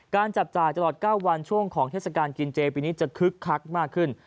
จับจ่ายตลอด๙วันช่วงของเทศกาลกินเจปีนี้จะคึกคักมากขึ้น